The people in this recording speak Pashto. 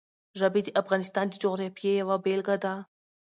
ژبې د افغانستان د جغرافیې یوه بېلګه ده.